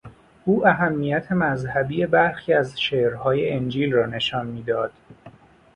او اهمیت مذهبی برخی از شعرهای انجیل را نشان میداد.